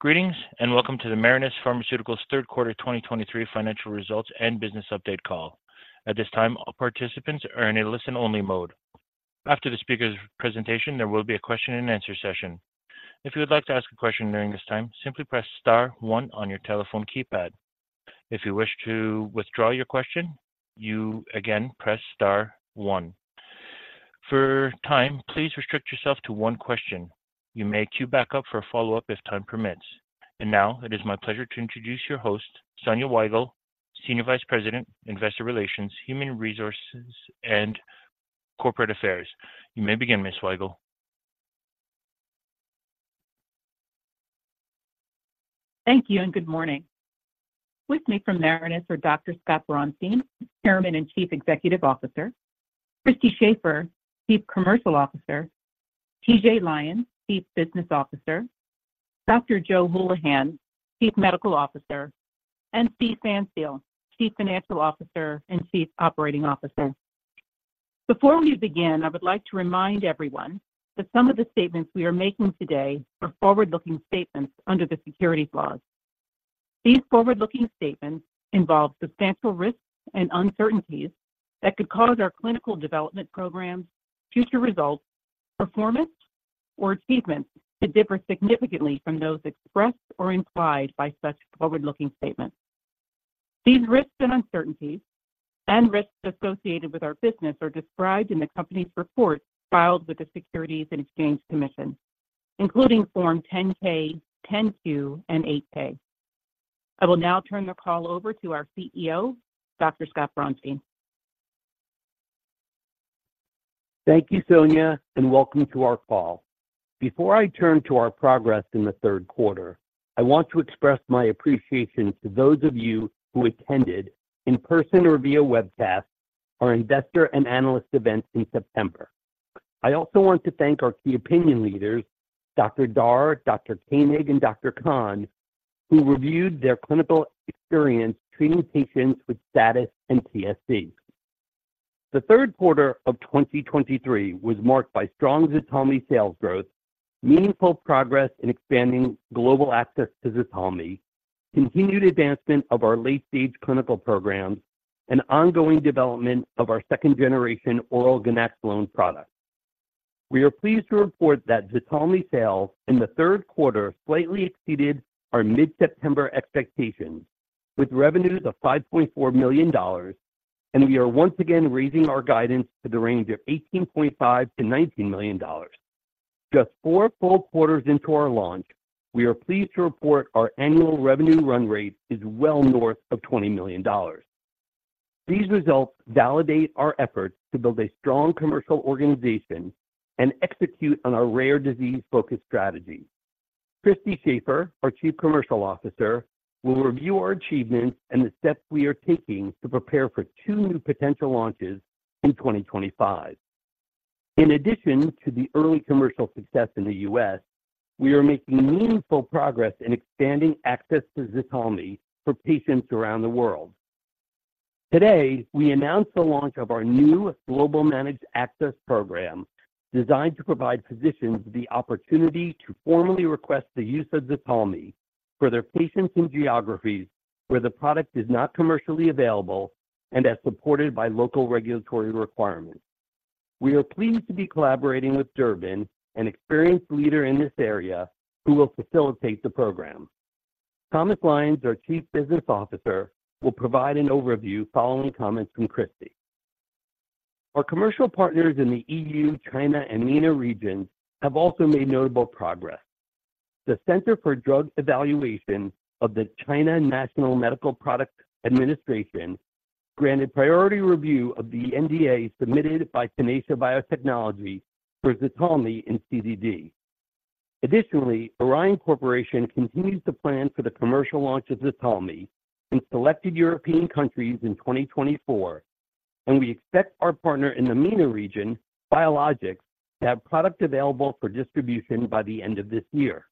Greetings, and welcome to the Marinus Pharmaceuticals' third quarter 2023 financial results and business update call. At this time, all participants are in a listen-only mode. After the speaker's presentation, there will be a question-and-answer session. If you would like to ask a question during this time, simply press star one on your telephone keypad. If you wish to withdraw your question, you again press star one. For time, please restrict yourself to one question. You may queue back up for a follow-up if time permits. Now it is my pleasure to introduce your host, Sonya Weigle, Senior Vice President, Investor Relations, Human Resources, and Corporate Affairs. You may begin, Ms. Weigle. Thank you, and good morning. With me from Marinus are Dr. Scott Braunstein, Chairman and Chief Executive Officer, Christy Shafer, Chief Commercial Officer, TJ Lyons, Chief Business Officer, Dr. Joe Hulihan, Chief Medical Officer, and Steven Pfanstiel, Chief Financial Officer and Chief Operating Officer. Before we begin, I would like to remind everyone that some of the statements we are making today are forward-looking statements under the securities laws. These forward-looking statements involve substantial risks and uncertainties that could cause our clinical development programs, future results, performance, or achievements to differ significantly from those expressed or implied by such forward-looking statements. These risks and uncertainties and risks associated with our business are described in the company's reports filed with the Securities and Exchange Commission, including Form 10-K, 10-Q, and 8-K. I will now turn the call over to our CEO, Dr. Scott Braunstein. Thank you, Sonya, and welcome to our call. Before I turn to our progress in the third quarter, I want to express my appreciation to those of you who attended in person or via webcast, our investor and analyst events in September. I also want to thank our key opinion leaders, Dr. Dhar, Dr. Koenig, and Dr. Khan, who reviewed their clinical experience treating patients with status epilepticus and TSC. The third quarter of 2023 was marked by strong ZTALMY sales growth, meaningful progress in expanding global access to ZTALMY, continued advancement of our late-stage clinical programs, and ongoing development of our second-generation oral ganaxolone product. We are pleased to report that ZTALMY sales in the third quarter slightly exceeded our mid-September expectations, with revenues of $5.4 million, and we are once again raising our guidance to the range of $18.5 million-$19 million. Just four full quarters into our launch, we are pleased to report our annual revenue run rate is well north of $20 million. These results validate our efforts to build a strong commercial organization and execute on our rare disease-focused strategy. Christy Shafer, our Chief Commercial Officer, will review our achievements and the steps we are taking to prepare for two new potential launches in 2025. In addition to the early commercial success in the U.S., we are making meaningful progress in expanding access to ZTALMY for patients around the world. Today, we announced the launch of our new global managed access program, designed to provide physicians the opportunity to formally request the use of ZTALMY for their patients in geographies where the product is not commercially available and as supported by local regulatory requirements. We are pleased to be collaborating with Durbin, an experienced leader in this area, who will facilitate the program. Thomas Lyons, our Chief Business Officer, will provide an overview following comments from Christy. Our commercial partners in the EU, China, and MENA regions have also made notable progress. The Center for Drug Evaluation of the China National Medical Products Administration granted priority review of the NDA submitted by Tenacia Biotechnology for ZTALMY in CDD. Additionally, Orion Corporation continues to plan for the commercial launch of ZTALMY in selected European countries in 2024, and we expect our partner in the MENA region, Biologix, to have product available for distribution by the end of this year.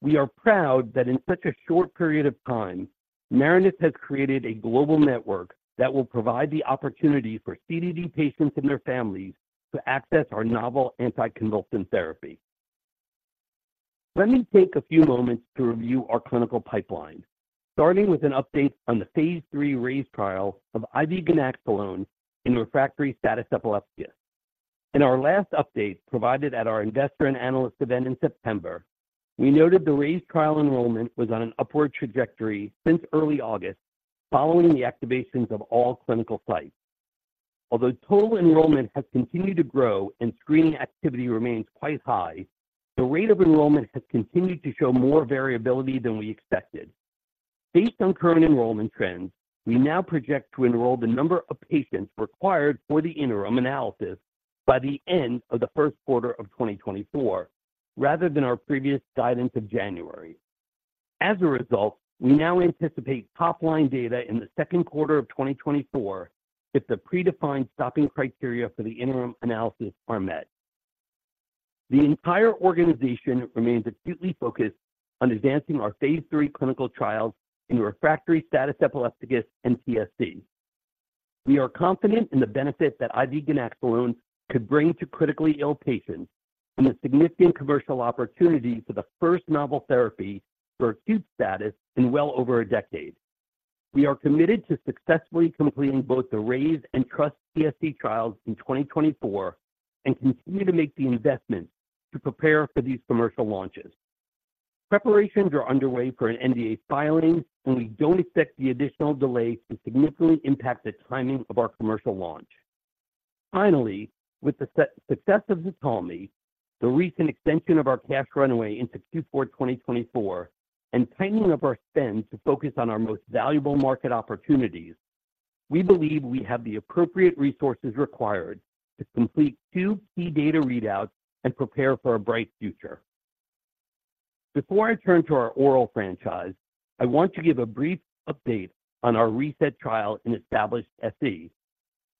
We are proud that in such a short period of time, Marinus has created a global network that will provide the opportunity for CDD patients and their families to access our novel anticonvulsant therapy. Let me take a few moments to review our clinical pipeline, starting with an update on the Phase III RAISE trial of IV ganaxolone in refractory status epilepticus. In our last update, provided at our Investor and Analyst event in September, we noted the RAISE trial enrollment was on an upward trajectory since early August, following the activations of all clinical sites. Although total enrollment has continued to grow and screening activity remains quite high, the rate of enrollment has continued to show more variability than we expected. Based on current enrollment trends, we now project to enroll the number of patients required for the interim analysis by the end of the first quarter of 2024, rather than our previous guidance of January. As a result, we now anticipate top-line data in the second quarter of 2024, if the predefined stopping criteria for the interim analysis are met. The entire organization remains acutely focused on advancing our Phase III clinical trials into refractory status epilepticus and TSC. We are confident in the benefit that IV ganaxolone could bring to critically ill patients and the significant commercial opportunity for the first novel therapy for acute status in well over a decade. We are committed to successfully completing both the RAISE and TrustTSC trials in 2024 and continue to make the investment to prepare for these commercial launches. Preparations are underway for an NDA filing, and we don't expect the additional delays to significantly impact the timing of our commercial launch. Finally, with the success of ZTALMY, the recent extension of our cash runway into Q4 2024, and tightening up our spend to focus on our most valuable market opportunities, we believe we have the appropriate resources required to complete two key data readouts and prepare for a bright future. Before I turn to our oral franchise, I want to give a brief update on our RSE trial in established SE.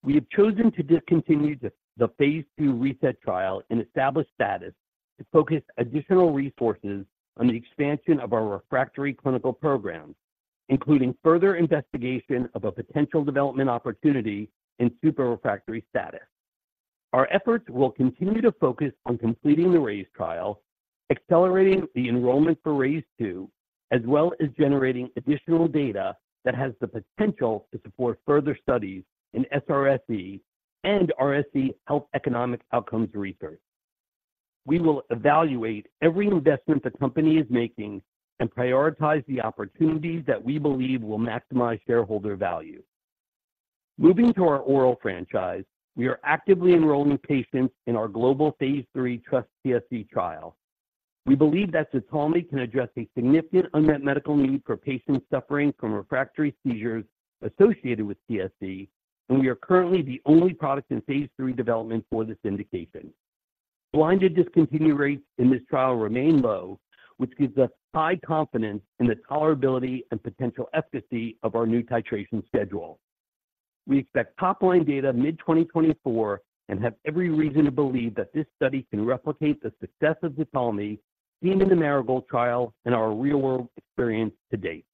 We have chosen to discontinue the Phase II RSE trial in established status to focus additional resources on the expansion of our refractory clinical programs, including further investigation of a potential development opportunity in super refractory status. Our efforts will continue to focus on completing the RAISE trial, accelerating the enrollment for RAISE-2, as well as generating additional data that has the potential to support further studies in SRSE and RSE health economic outcomes research. We will evaluate every investment the company is making and prioritize the opportunities that we believe will maximize shareholder value. Moving to our oral franchise, we are actively enrolling patients in our global Phase III TrustTSC trial. We believe that ZTALMY can address a significant unmet medical need for patients suffering from refractory seizures associated with TSC, and we are currently the only product in Phase III development for this indication. Blinded discontinue rates in this trial remain low, which gives us high confidence in the tolerability and potential efficacy of our new titration schedule. We expect top-line data mid-2024 and have every reason to believe that this study can replicate the success of ZTALMY, seen in the Marigold trial and our real-world experience to-date.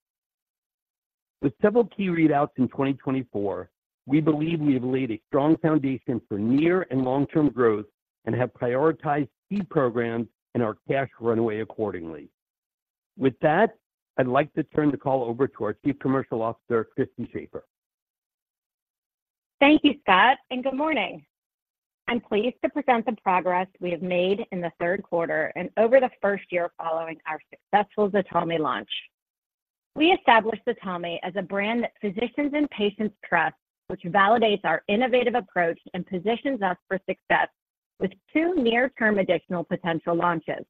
With several key readouts in 2024, we believe we have laid a strong foundation for near and long-term growth and have prioritized key programs in our cash runway accordingly. With that, I'd like to turn the call over to our Chief Commercial Officer, Christy Shafer. Thank you, Scott, and good morning. I'm pleased to present the progress we have made in the third quarter and over the first year following our successful ZTALMY launch. We established ZTALMY as a brand that physicians and patients trust, which validates our innovative approach and positions us for success with two near-term additional potential launches.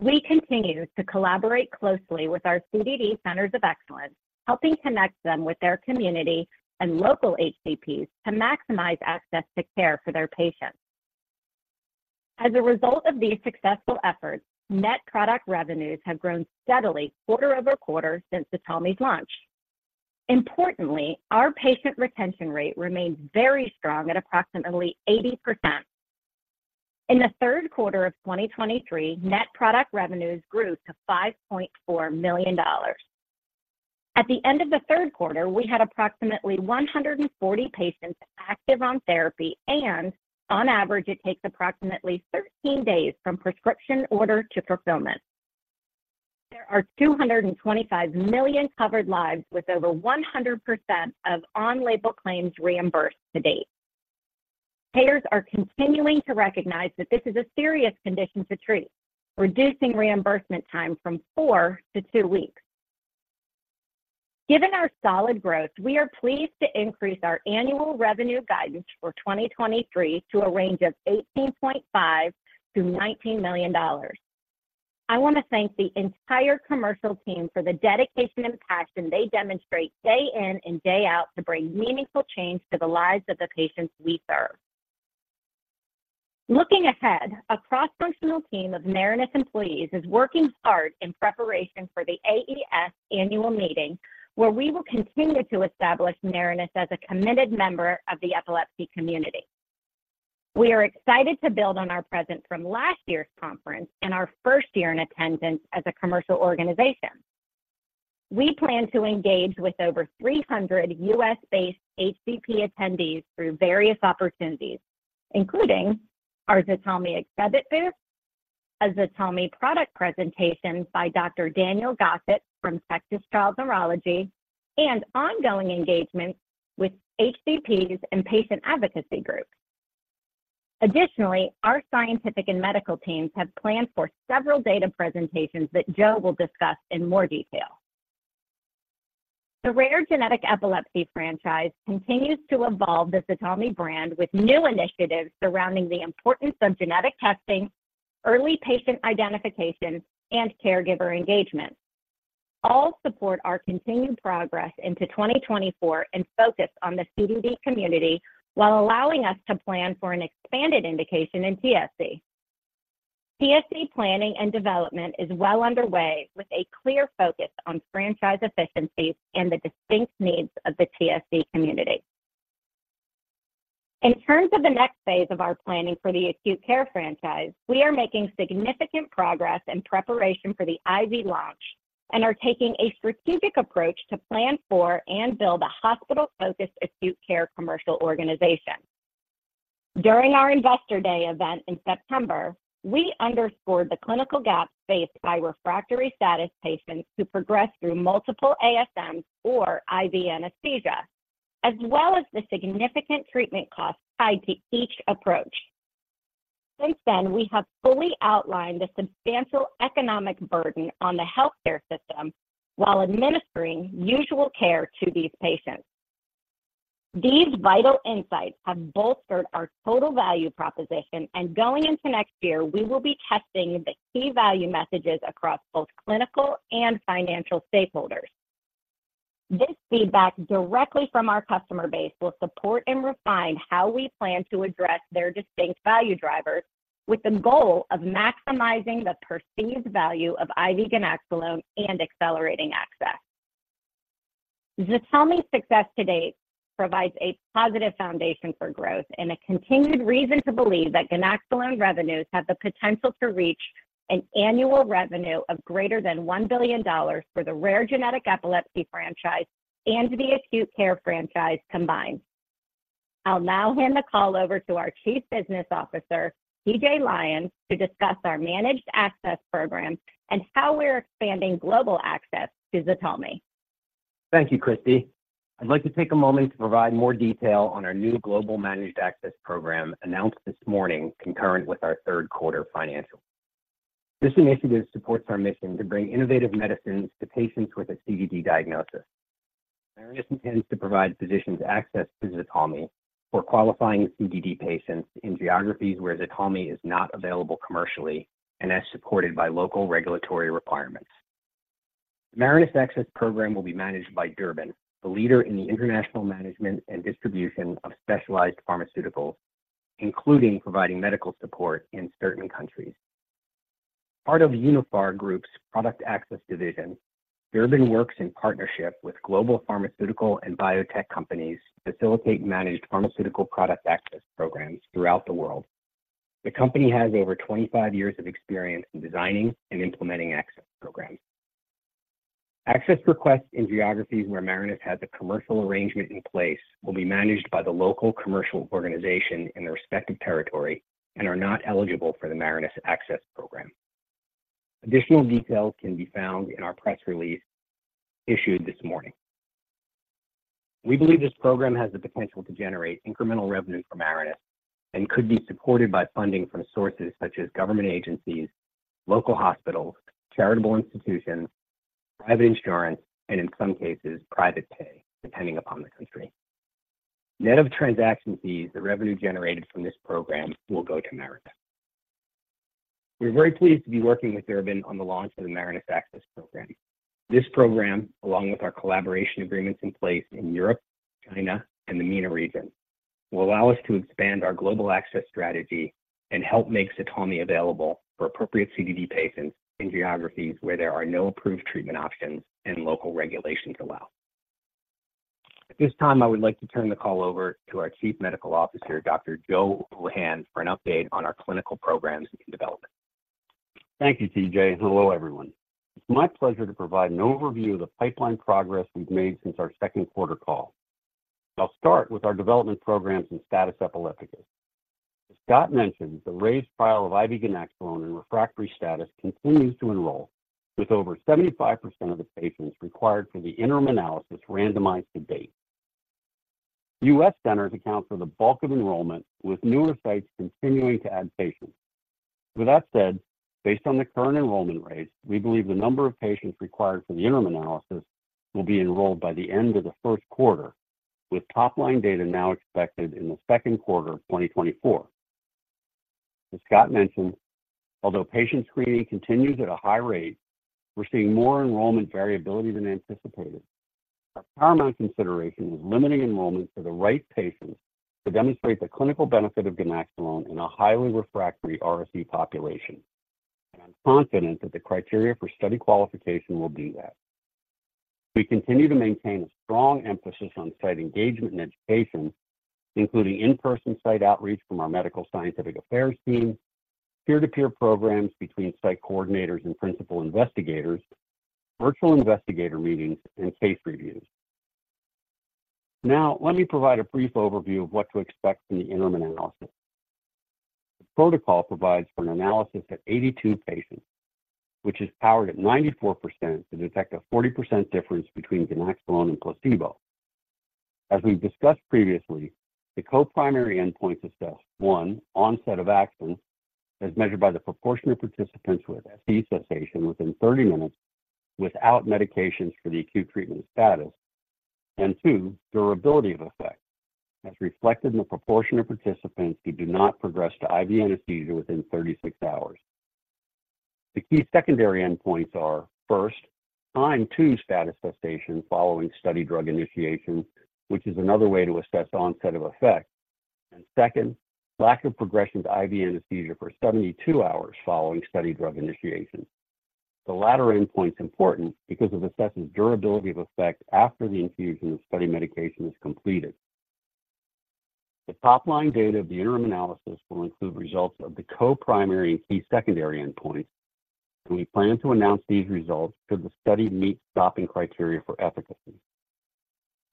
We continue to collaborate closely with our CDD Centers of Excellence, helping connect them with their community and local HCPs to maximize access to care for their patients. As a result of these successful efforts, net product revenues have grown steadily quarter-over-quarter since ZTALMY's launch. Importantly, our patient retention rate remains very strong at approximately 80%. In the third quarter of 2023, net product revenues grew to $5.4 million. At the end of the third quarter, we had approximately 140 patients active on therapy, and on average, it takes approximately 13 days from prescription order to fulfillment. There are 225 million covered lives, with over 100% of on-label claims reimbursed to-date. Payers are continuing to recognize that this is a serious condition to treat, reducing reimbursement time from 4-2 weeks. Given our solid growth, we are pleased to increase our annual revenue guidance for 2023 to a range of $18.5 million-$19 million. I want to thank the entire commercial team for the dedication and passion they demonstrate day in and day out to bring meaningful change to the lives of the patients we serve. Looking ahead, a cross-functional team of Marinus employees is working hard in preparation for the AES annual meeting, where we will continue to establish Marinus as a committed member of the epilepsy community. We are excited to build on our presence from last year's conference and our first year in attendance as a commercial organization. We plan to engage with over 300 U.S.-based HCP attendees through various opportunities, including our ZTALMY exhibit booth, a ZTALMY product presentation by Dr. Daniel Gossett from Texas Child Neurology, and ongoing engagement with HCPs and patient advocacy groups. Additionally, our scientific and medical teams have planned for several data presentations that Joe will discuss in more detail. The rare genetic epilepsy franchise continues to evolve the ZTALMY brand with new initiatives surrounding the importance of genetic testing, early patient identification, and caregiver engagement. All support our continued progress into 2024 and focus on the CDD community while allowing us to plan for an expanded indication in TSC. TSC planning and development is well underway, with a clear focus on franchise efficiencies and the distinct needs of the TSC community. In terms of the next phase of our planning for the acute care franchise, we are making significant progress in preparation for the IV launch and are taking a strategic approach to plan for and build a hospital-focused acute care commercial organization. During our Investor Day event in September, we underscored the clinical gaps faced by refractory status patients who progress through multiple ASMs or IV anesthesia, as well as the significant treatment costs tied to each approach. Since then, we have fully outlined the substantial economic burden on the healthcare system while administering usual care to these patients. These vital insights have bolstered our total value proposition, and going into next year, we will be testing the key value messages across both clinical and financial stakeholders. This feedback directly from our customer base will support and refine how we plan to address their distinct value drivers, with the goal of maximizing the perceived value of IV ganaxolone and accelerating access. ZTALMY's success to date provides a positive foundation for growth and a continued reason to believe that ganaxolone revenues have the potential to reach an annual revenue of greater than $1 billion for the rare genetic epilepsy franchise and the acute care franchise combined. I'll now hand the call over to our Chief Business Officer, TJ Lyons, to discuss our managed access program and how we're expanding global access to ZTALMY. Thank you, Christy. I'd like to take a moment to provide more detail on our new global managed access program announced this morning, concurrent with our third quarter financials. This initiative supports our mission to bring innovative medicines to patients with a CDD diagnosis. Marinus intends to provide physicians access to ZTALMY for qualifying CDD patients in geographies where ZTALMY is not available commercially and as supported by local regulatory requirements. Marinus access program will be managed by Durbin, the leader in the international management and distribution of specialized pharmaceuticals, including providing medical support in certain countries. Part of Uniphar Group's product access division, Durbin works in partnership with global pharmaceutical and biotech companies to facilitate managed pharmaceutical product access programs throughout the world. The company has over 25 years of experience in designing and implementing access programs. Access requests in geographies where Marinus has a commercial arrangement in place will be managed by the local commercial organization in their respective territory and are not eligible for the Marinus Access Program. Additional details can be found in our press release issued this morning. We believe this program has the potential to generate incremental revenue for Marinus and could be supported by funding from sources such as government agencies, local hospitals, charitable institutions, private insurance, and in some cases, private pay, depending upon the country. Net of transaction fees, the revenue generated from this program will go to Marinus. We're very pleased to be working with Durbin on the launch of the Marinus Access Program. This program, along with our collaboration agreements in place in Europe, China, and the MENA region, will allow us to expand our global access strategy and help make ZTALMY available for appropriate CDD patients in geographies where there are no approved treatment options and local regulations allow. At this time, I would like to turn the call over to our Chief Medical Officer, Dr. Joe Hulihan, for an update on our clinical programs and development. Thank you, TJ. Hello, everyone. It's my pleasure to provide an overview of the pipeline progress we've made since our second quarter call. I'll start with our development programs in status epilepticus. As Scott mentioned, the RAISE trial of IV ganaxolone in refractory status continues to enroll, with over 75% of the patients required for the interim analysis randomized to date. U.S. centers account for the bulk of enrollment, with newer sites continuing to add patients. With that said, based on the current enrollment rates, we believe the number of patients required for the interim analysis will be enrolled by the end of the first quarter, with top-line data now expected in the second quarter of 2024. As Scott mentioned, although patient screening continues at a high rate, we're seeing more enrollment variability than anticipated. Our paramount consideration is limiting enrollment to the right patients to demonstrate the clinical benefit of ganaxolone in a highly refractory RSE population, and I'm confident that the criteria for study qualification will do that. We continue to maintain a strong emphasis on site engagement and education, including in-person site outreach from our medical scientific affairs team, peer-to-peer programs between site coordinators and principal investigators, virtual investigator meetings, and case reviews. Now, let me provide a brief overview of what to expect from the interim analysis. The protocol provides for an analysis of 82 patients, which is powered at 94% to detect a 40% difference between ganaxolone and placebo. As we've discussed previously, the co-primary endpoints assess, one, onset of action, as measured by the proportion of participants with SE cessation within 30 minutes without medications for the acute treatment of status. Two, durability of effect, as reflected in the proportion of participants who do not progress to IV anesthesia within 36 hours. The key secondary endpoints are, first, time to status cessation following study drug initiation, which is another way to assess onset of effect. Second, lack of progression to IV anesthesia for 72 hours following study drug initiation. The latter endpoint's important because it assesses durability of effect after the infusion of study medication is completed. The top-line data of the interim analysis will include results of the co-primary and key secondary endpoints, and we plan to announce these results should the study meet stopping criteria for efficacy.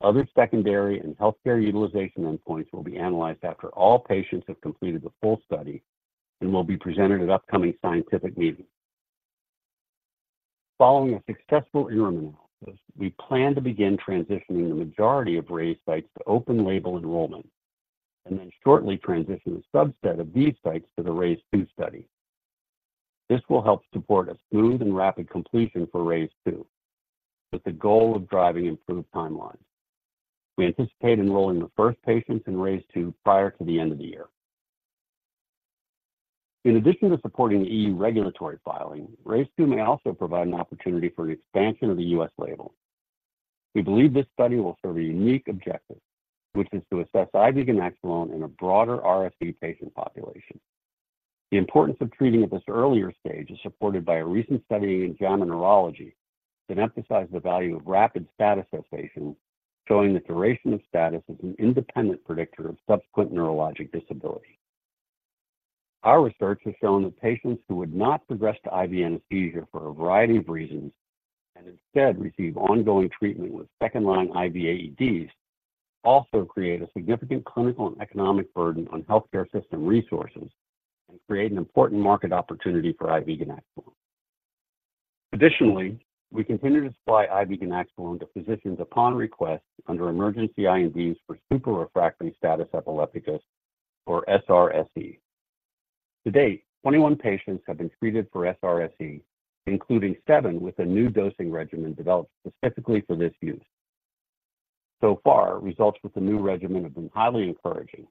Other secondary and healthcare utilization endpoints will be analyzed after all patients have completed the full study and will be presented at upcoming scientific meetings. Following a successful interim analysis, we plan to begin transitioning the majority of RAISE sites to open label enrollment, and then shortly transition a subset of these sites to the RAISE-2 study. This will help support a smooth and rapid completion for RAISE-2, with the goal of driving improved timelines. We anticipate enrolling the first patients in RAISE-2 prior to the end of the year. In addition to supporting the E.U. regulatory filing, RAISE-2 may also provide an opportunity for the expansion of the U.S. label. We believe this study will serve a unique objective, which is to assess IV ganaxolone in a broader RSE patient population. The importance of treating at this earlier stage is supported by a recent study in JAMA Neurology that emphasized the value of rapid status cessation, showing that duration of status is an independent predictor of subsequent neurologic disability. Our research has shown that patients who would not progress to IV anesthesia for a variety of reasons, and instead receive ongoing treatment with second-line IV AEDs, also create a significant clinical and economic burden on healthcare system resources and create an important market opportunity for IV ganaxolone. Additionally, we continue to supply IV ganaxolone to physicians upon request under emergency INDs for super-refractory status epilepticus, or SRSE. To-date, 21 patients have been treated for SRSE, including seven with a new dosing regimen developed specifically for this use. So far, results with the new regimen have been highly encouraging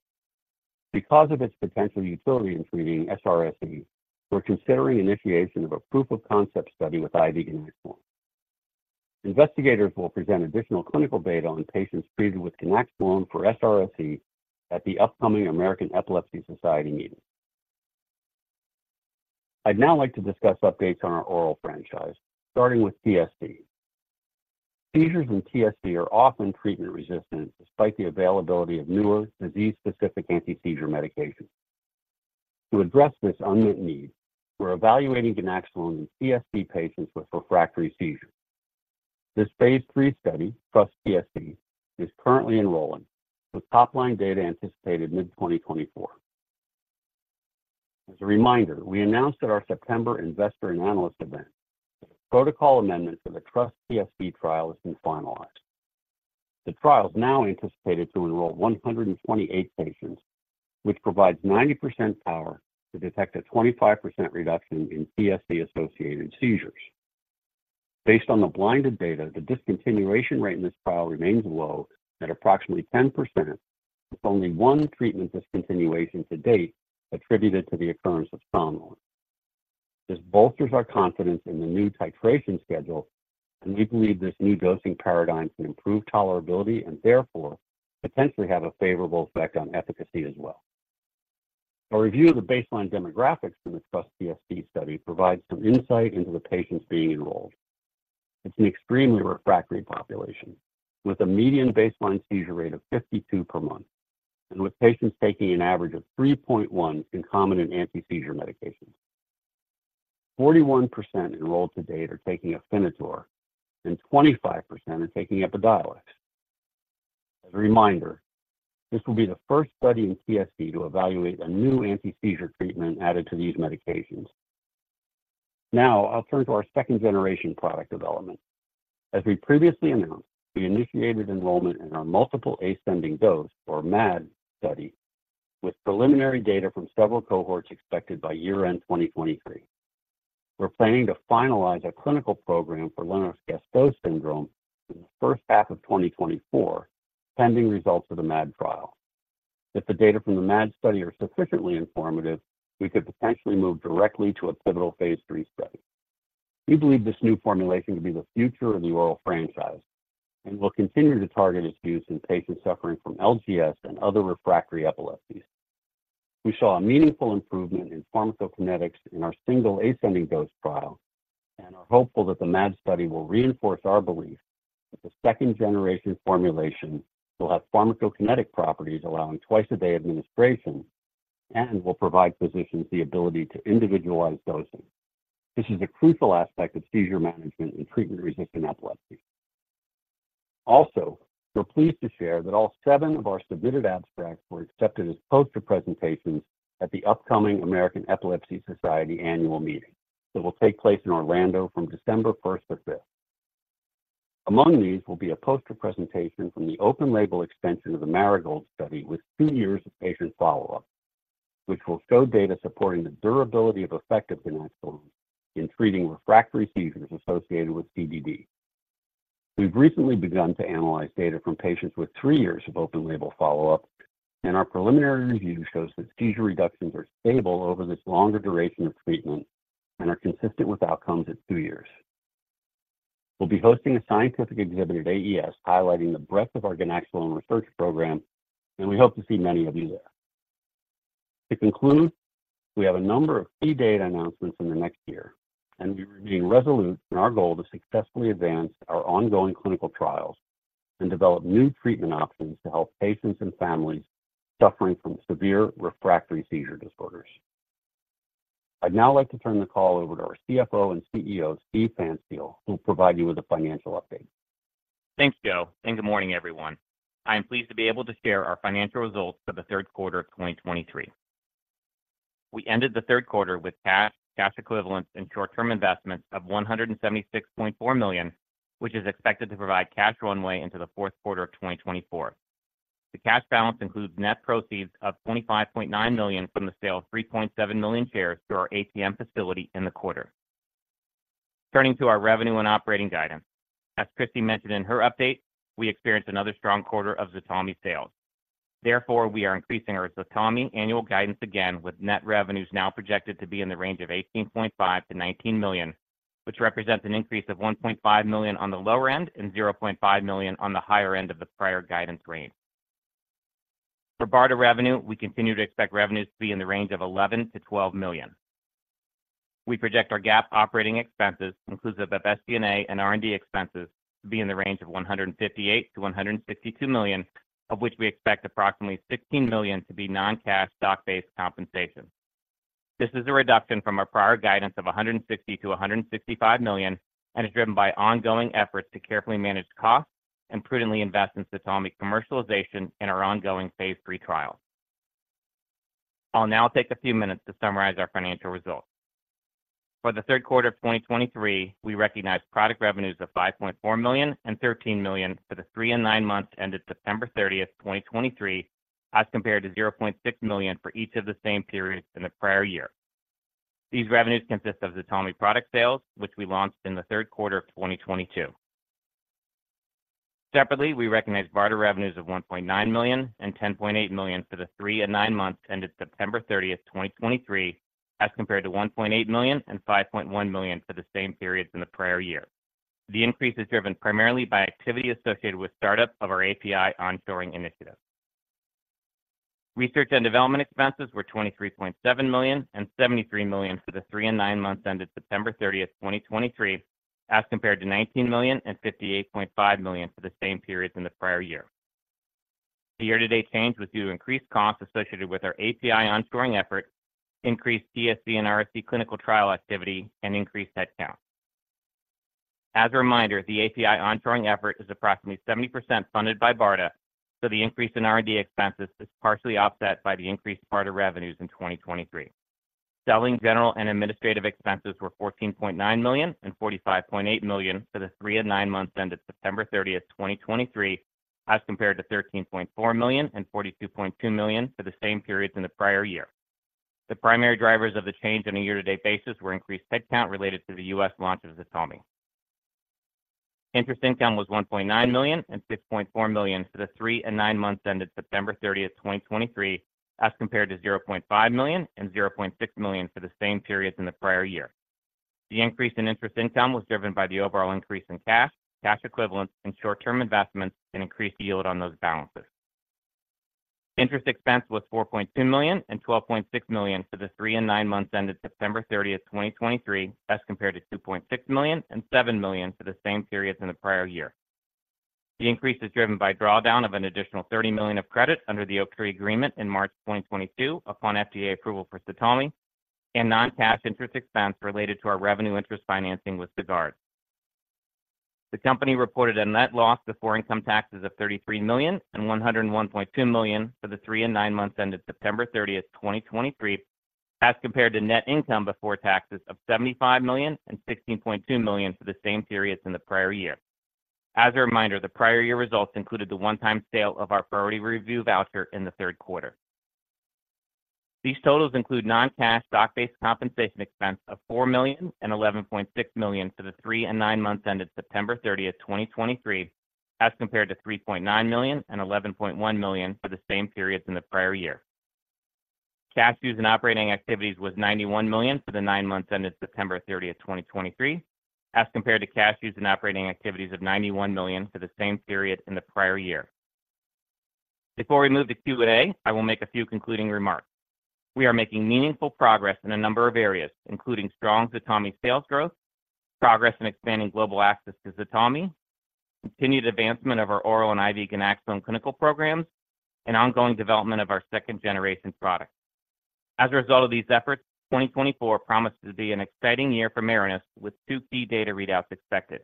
because of its potential utility in treating SRSE, we're considering initiation of a proof of concept study with IV ganaxolone. Investigators will present additional clinical data on patients treated with ganaxolone for SRSE at the upcoming American Epilepsy Society meeting. I'd now like to discuss updates on our oral franchise, starting with TSC. Seizures in TSC are often treatment-resistant, despite the availability of newer disease-specific anti-seizure medications. To address this unmet need, we're evaluating ganaxolone in TSC patients with refractory seizures. This Phase III study, TrustTSC, is currently enrolling, with top-line data anticipated mid-2024. As a reminder, we announced at our September investor and analyst event, protocol amendments for the TrustTSC trial has been finalized. The trial is now anticipated to enroll 128 patients, which provides 90% power to detect a 25% reduction in TSC-associated seizures. Based on the blinded data, the discontinuation rate in this trial remains low at approximately 10%, with only one treatment discontinuation to date attributed to the occurrence of somnolence. This bolsters our confidence in the new titration schedule, and we believe this new dosing paradigm can improve tolerability and therefore potentially have a favorable effect on efficacy as well. A review of the baseline demographics in the TrustTSC study provides some insight into the patients being enrolled. It's an extremely refractory population with a median baseline seizure rate of 52 per month, and with patients taking an average of 3.1 concomitant anti-seizure medications. 41% enrolled to-date are taking Afinitor, and 25% are taking Epidiolex. As a reminder, this will be the first study in TSC to evaluate a new anti-seizure treatment added to these medications. Now, I'll turn to our second-generation product development. As we previously announced, we initiated enrollment in our multiple ascending dose, or MAD, study, with preliminary data from several cohorts expected by year-end 2023. We're planning to finalize a clinical program for Lennox-Gastaut Syndrome in the first half of 2024, pending results of the MAD trial. If the data from the MAD study are sufficiently informative, we could potentially move directly to a pivotal Phase III study. We believe this new formulation to be the future of the oral franchise, and we'll continue to target its use in patients suffering from LGS and other refractory epilepsies. We saw a meaningful improvement in pharmacokinetics in our single ascending dose trial and are hopeful that the MAD study will reinforce our belief that the second-generation formulation will have pharmacokinetic properties allowing twice-a-day administration and will provide physicians the ability to individualize dosing. This is a crucial aspect of seizure management in treatment-resistant epilepsy. Also, we're pleased to share that all seven of our submitted abstracts were accepted as poster presentations at the upcoming American Epilepsy Society Annual Meeting, that will take place in Orlando from December 1st to 5th. Among these will be a poster presentation from the open label extension of the Marigold study with two years of patient follow-up, which will show data supporting the durability of effect of ganaxolone in treating refractory seizures associated with CDD. We've recently begun to analyze data from patients with three years of open label follow-up, and our preliminary review shows that seizure reductions are stable over this longer duration of treatment and are consistent with outcomes at two years. We'll be hosting a scientific exhibit at AES, highlighting the breadth of our ganaxolone research program, and we hope to see many of you there. To conclude, we have a number of key data announcements in the next year, and we remain resolute in our goal to successfully advance our ongoing clinical trials and develop new treatment options to help patients and families suffering from severe refractory seizure disorders. I'd now like to turn the call over to our CFO and CEO, Steve Pfanstiel, who will provide you with a financial update. Thanks, Joe, and good morning, everyone. I am pleased to be able to share our financial results for the third quarter of 2023. We ended the third quarter with cash, cash equivalents, and short-term investments of $176.4 million, which is expected to provide cash runway into the fourth quarter of 2024. The cash balance includes net proceeds of $25.9 million from the sale of 3.7 million shares through our ATM facility in the quarter. Turning to our revenue and operating guidance. As Christy mentioned in her update, we experienced another strong quarter of ZTALMY sales. Therefore, we are increasing our ZTALMY annual guidance again, with net revenues now projected to be in the range of $18.5 million-$19 million, which represents an increase of $1.5 million on the lower end and $0.5 million on the higher end of the prior guidance range. For BARDA revenue, we continue to expect revenues to be in the range of $11 million-$12 million. We project our GAAP operating expenses, inclusive of FDA and R&D expenses, to be in the range of $158 million-$152 million, of which we expect approximately $16 million to be non-cash stock-based compensation. This is a reduction from our prior guidance of $160 million-$165 million and is driven by ongoing efforts to carefully manage costs and prudently invest in ZTALMY commercialization and our ongoing Phase III trial. I'll now take a few minutes to summarize our financial results. For the third quarter of 2023, we recognized product revenues of $5.4 million and $13 million for the three and nine months ended September 30th, 2023, as compared to $0.6 million for each of the same periods in the prior year. These revenues consist of ZTALMY product sales, which we launched in the third quarter of 2022. Separately, we recognized BARDA revenues of $1.9 million and $10.8 million for the three and nine months ended September 30th, 2023, as compared to $1.8 million and $5.1 million for the same periods in the prior year. The increase is driven primarily by activity associated with startup of our API onshoring initiative. Research and development expenses were $23.7 million and $73 million for the three and nine months ended September 30th, 2023, as compared to $19 million and $58.5 million for the same periods in the prior year. The year-to-date change was due to increased costs associated with our API onshoring effort, increased TSC and RSE clinical trial activity, and increased headcount. As a reminder, the API onshoring effort is approximately 70% funded by BARDA, so the increase in R&D expenses is partially offset by the increased BARDA revenues in 2023. Selling, general, and administrative expenses were $14.9 million and $45.8 million for the three and nine months ended September 30th, 2023, as compared to $13.4 million and $42.2 million for the same periods in the prior year. The primary drivers of the change on a year-to-date basis were increased headcount related to the U.S. launch of ZTALMY. Interest income was $1.9 million and $6.4 million for the three and nine months ended September 30th, 2023, as compared to $0.5 million and $0.6 million for the same periods in the prior year. The increase in interest income was driven by the overall increase in cash, cash equivalents, and short-term investments and increased yield on those balances. Interest expense was $4.2 million and $12.6 million for the three and nine months ended September 30th, 2023, as compared to $2.6 million and $7 million for the same periods in the prior year. The increase is driven by drawdown of an additional $30 million of credit under the Oaktree agreement in March 2022 upon FDA approval for ZTALMY and non-cash interest expense related to our revenue interest financing with Sagard. The company reported a net loss before income taxes of $33 million and $101.2 million for the three and nine months ended September 30th, 2023, as compared to net income before taxes of $75 million and $16.2 million for the same periods in the prior year. As a reminder, the prior year results included the one-time sale of our priority review voucher in the third quarter. These totals include non-cash stock-based compensation expense of $4 million and $11.6 million for the three and nine months ended September 30th, 2023, as compared to $3.9 million and $11.1 million for the same periods in the prior year. Cash use in operating activities was $91 million for the nine months ended September 30th, 2023, as compared to cash use in operating activities of $91 million for the same period in the prior year. Before we move to Q&A, I will make a few concluding remarks. We are making meaningful progress in a number of areas, including strong ZTALMY sales growth, progress in expanding global access to ZTALMY, continued advancement of our oral and IV ganaxolone clinical programs, and ongoing development of our second-generation products. As a result of these efforts, 2024 promises to be an exciting year for Marinus, with two key data readouts expected.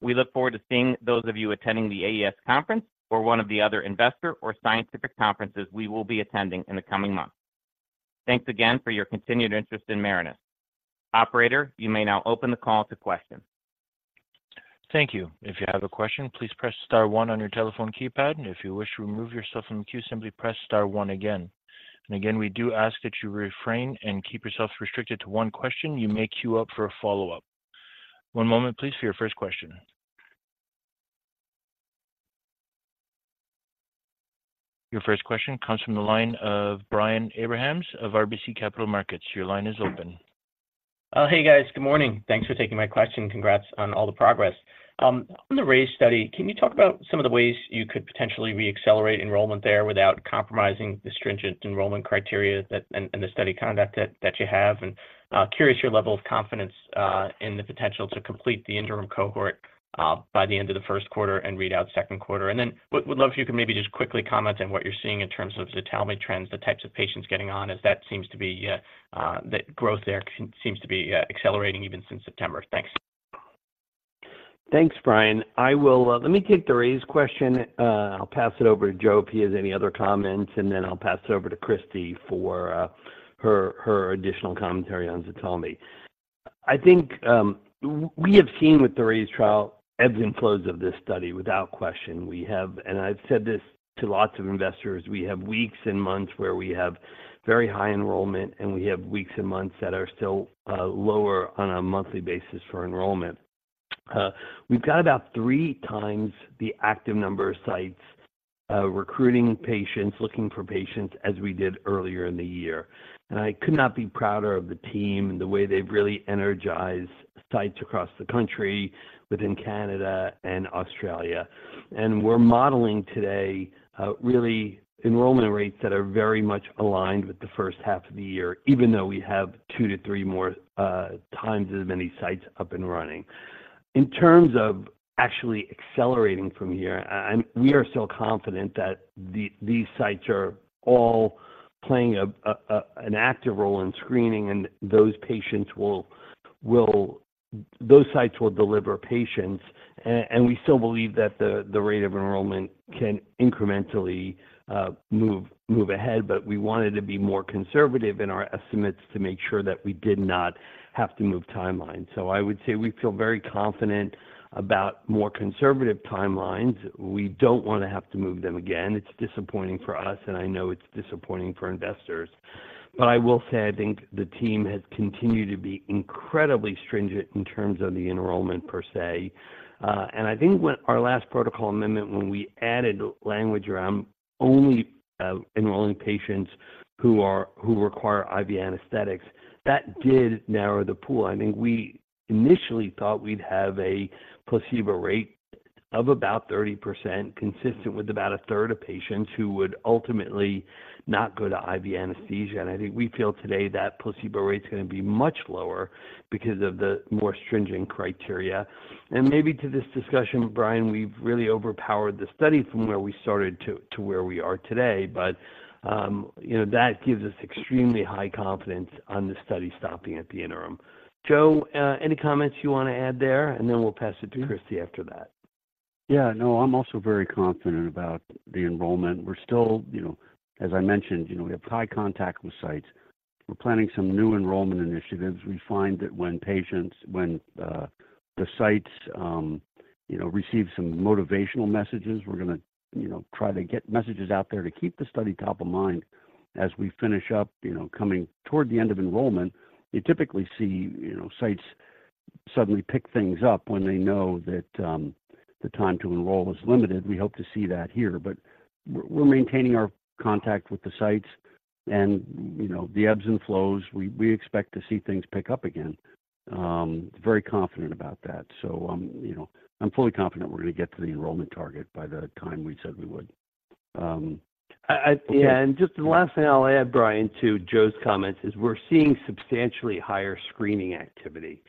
We look forward to seeing those of you attending the AES conference or one of the other investor or scientific conferences we will be attending in the coming months. Thanks again for your continued interest in Marinus. Operator, you may now open the call to questions. Thank you. If you have a question, please press star one on your telephone keypad, and if you wish to remove yourself from the queue, simply press star one again. Again, we do ask that you refrain and keep yourself restricted to one question. You may queue up for a follow-up. One moment, please, for your first question. Your first question comes from the line of Brian Abrahams of RBC Capital Markets. Your line is open. Hey, guys. Good morning. Thanks for taking my question. Congrats on all the progress. On the RAISE study, can you talk about some of the ways you could potentially reaccelerate enrollment there without compromising the stringent enrollment criteria that and the study conduct that you have? Curious your level of confidence in the potential to complete the interim cohort by the end of the first quarter and read out second quarter. Then, would love if you could maybe just quickly comment on what you're seeing in terms of ZTALMY trends, the types of patients getting on, as that seems to be the growth there seems to be accelerating even since September. Thanks. Thanks, Brian. Let me take the RAISE question, I'll pass it over to Joe, if he has any other comments, and then I'll pass it over to Christy for, her, her additional commentary on ZTALMY. I think, we have seen with the RAISE trial, ebbs and flows of this study without question. We have, and I've said this to lots of investors, we have weeks and months where we have very high enrollment, and we have weeks and months that are still, lower on a monthly basis for enrollment. We've got about three times the active number of sites, recruiting patients, looking for patients, as we did earlier in the year and I could not be prouder of the team and the way they've really energized sites across the country within Canada and Australia. We're modeling today really enrollment rates that are very much aligned with the first half of the year, even though we have 2-3 more times as many sites up and running. In terms of actually accelerating from here, and we are so confident that these sites are all playing an active role in screening, and those sites will deliver patients. We still believe that the rate of enrollment can incrementally move ahead, but we wanted to be more conservative in our estimates to make sure that we did not have to move timelines. So I would say we feel very confident about more conservative timelines. We don't want to have to move them again. It's disappointing for us, and I know it's disappointing for investors. But I will say, I think the team has continued to be incredibly stringent in terms of the enrollment per se and I think when our last protocol amendment, when we added language around only enrolling patients who require IV anesthetics, that did narrow the pool. I think we initially thought we'd have a placebo rate of about 30%, consistent with about a third of patients who would ultimately not go to IV anesthesia. I think we feel today that placebo rate is gonna be much lower because of the more stringent criteria. Maybe to this discussion, Brian, we've really overpowered the study from where we started to where we are today. But you know, that gives us extremely high confidence on the study stopping at the interim. Joe, any comments you want to add there? Then we'll pass it to Christy after that. Yeah. No, I'm also very confident about the enrollment. We're still, you know, as I mentioned, you know, we have high contact with sites. We're planning some new enrollment initiatives. We find that when the sites, you know, receive some motivational messages, we're gonna, you know, try to get messages out there to keep the study top of mind. As we finish up, you know, coming toward the end of enrollment, you typically see, you know, sites suddenly pick things up when they know that the time to enroll is limited. We hope to see that here, but we're maintaining our contact with the sites and, you know, the ebbs and flows. We expect to see things pick up again. Very confident about that. You know, I'm fully confident we're gonna get to the enrollment target by the time we said we would. Yeah, and just the last thing I'll add, Brian, to Joe's comments is we're seeing substantially higher screening activity.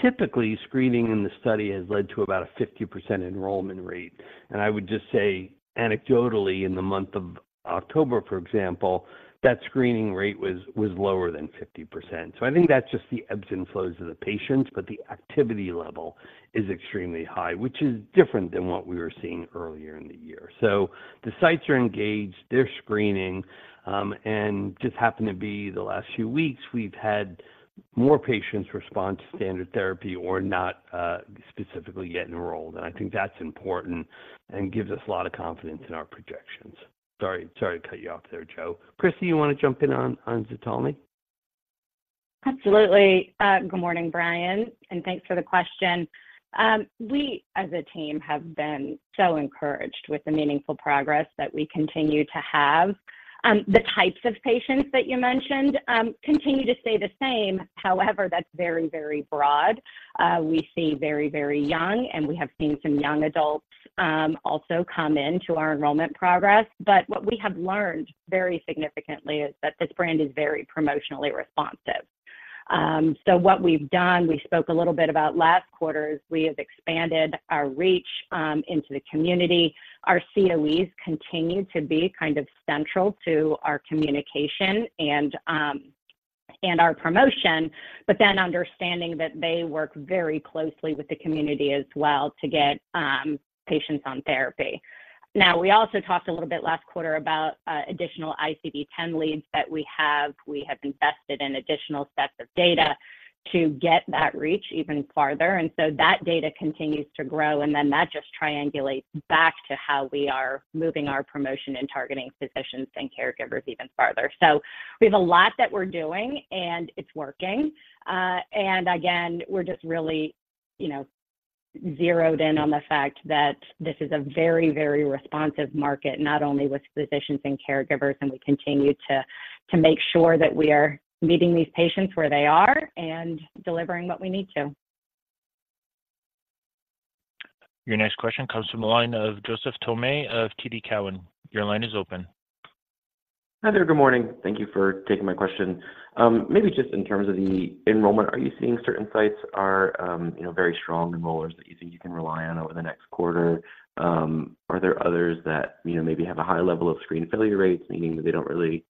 Typically, screening in the study has led to about a 50% enrollment rate and I would just say, anecdotally, in the month of October, for example, that screening rate was lower than 50%. So I think that's just the ebbs and flows of the patients, but the activity level is extremely high, which is different than what we were seeing earlier in the year. So the sites are engaged, they're screening, and just happened to be the last few weeks, we've had more patients respond to standard therapy or not, specifically yet enrolled, and I think that's important and gives us a lot of confidence in our projections. Sorry, sorry to cut you off there, Joe. Christy, you want to jump in on ZTALMY? Absolutely. Good morning, Brian, and thanks for the question. We, as a team, have been so encouraged with the meaningful progress that we continue to have. The types of patients that you mentioned continue to stay the same. However, that's very, very broad. We see very, very young, and we have seen some young adults also come into our enrollment progress. But what we have learned very significantly is that this brand is very promotionally responsive. So what we've done, we spoke a little bit about last quarter, is we have expanded our reach into the community. Our COEs continue to be kind of central to our communication and our promotion, but then understanding that they work very closely with the community as well to get patients on therapy. Now, we also talked a little bit last quarter about additional ICD-10 leads that we have. We have invested in additional sets of data to get that reach even farther, and so that data continues to grow, and then that just triangulates back to how we are moving our promotion and targeting physicians and caregivers even farther. So we have a lot that we're doing, and it's working. Again, we're just really, you know zeroed in on the fact that this is a very, very responsive market, not only with physicians and caregivers, and we continue to make sure that we are meeting these patients where they are and delivering what we need to. Your next question comes from the line of Joseph Thome of TD Cowen. Your line is open. Hi there. Good morning. Thank you for taking my question. Maybe just in terms of the enrollment, are you seeing certain sites are, you know, very strong enrollers that you think you can rely on over the next quarter? Are there others that, you know, maybe have a high level of screen failure rates, meaning that they don't really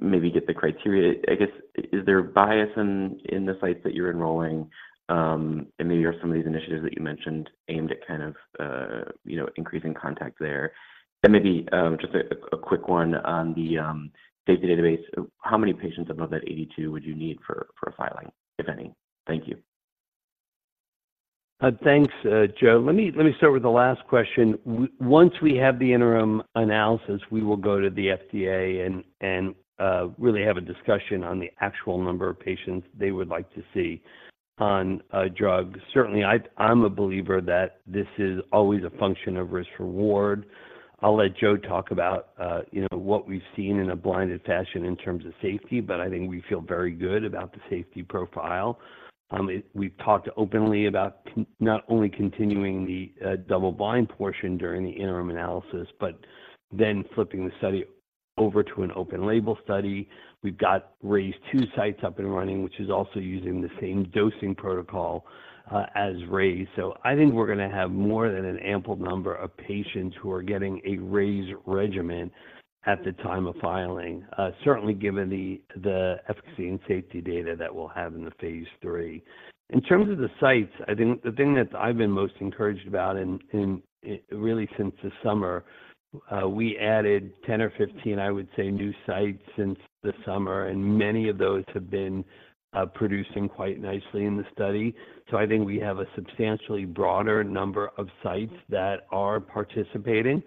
maybe get the criteria? I guess, is there bias in, in the sites that you're enrolling, and maybe are some of these initiatives that you mentioned aimed at kind of, you know, increasing contact there? Maybe, just a quick one on the data database. How many patients above that 82 would you need for a filing, if any? Thank you. Thanks, Joe. Let me start with the last question. Once we have the interim analysis, we will go to the FDA and really have a discussion on the actual number of patients they would like to see on a drug. Certainly, I'm a believer that this is always a function of risk-reward. I'll let Joe talk about, you know, what we've seen in a blinded fashion in terms of safety, but I think we feel very good about the safety profile. We've talked openly about not only continuing the double-blind portion during the interim analysis, but then flipping the study over to an open label study. We've got RAISE-2 sites up and running, which is also using the same dosing protocol as RAISE. So I think we're gonna have more than an ample number of patients who are getting a RAISE regimen at the time of filing, certainly given the efficacy and safety data that we'll have in the Phase III. In terms of the sites, I think the thing that I've been most encouraged about in, really since the summer, we added 10 or 15, I would say, new sites since the summer, and many of those have been producing quite nicely in the study. So I think we have a substantially broader number of sites that are participating.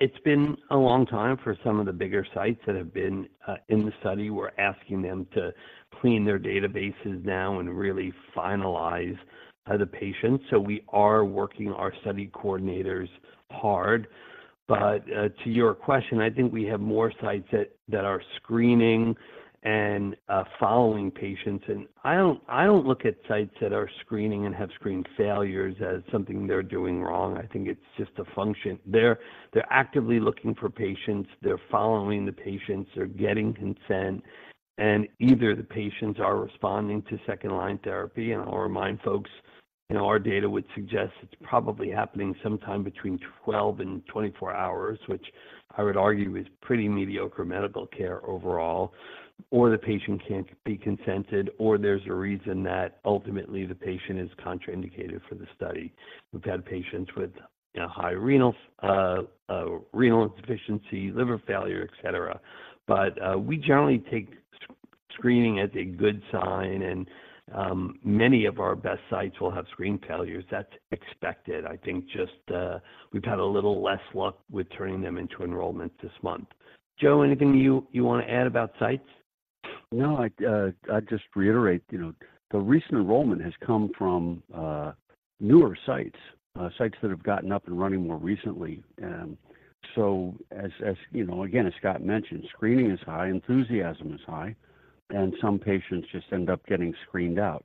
It's been a long time for some of the bigger sites that have been in the study. We're asking them to clean their databases now and really finalize the patients. So we are working our study coordinators hard. But to your question, I think we have more sites that are screening and following patients, and I don't look at sites that are screening and have screen failures as something they're doing wrong. I think it's just a function. They're actively looking for patients, they're following the patients, they're getting consent, and either the patients are responding to second line therapy, and I'll remind folks, you know, our data would suggest it's probably happening sometime between 12-24 hours, which I would argue is pretty mediocre medical care overall, or the patient can't be consented, or there's a reason that ultimately the patient is contraindicated for the study. We've had patients with, you know, high renal insufficiency, liver failure, et cetera. But we generally take screening as a good sign, and many of our best sites will have screen failures. That's expected. I think just we've had a little less luck with turning them into enrollment this month. Joe, anything you want to add about sites? No, I'd, I'd just reiterate, you know, the recent enrollment has come from, newer sites, sites that have gotten up and running more recently. So as you know, again, as Scott mentioned, screening is high, enthusiasm is high, and some patients just end up getting screened out.